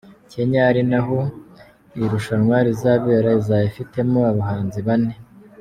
Kenya, ari naho iri rushanwa rizabera izaba ifitemo abahanzi bane.